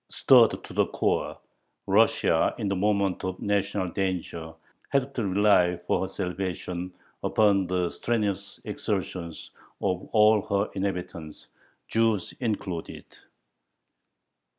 Stirred to the core, Russia, in the moment of national danger, had to rely for her salvation upon the strenuous exertions of all her inhabitants, Jews included.